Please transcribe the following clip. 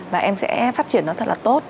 và em sẽ phát triển nó thật là tốt